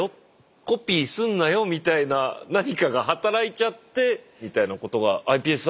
コピーすんなよみたいな何かが働いちゃってみたいなことがｉＰＳだと起こってしまうってことですか？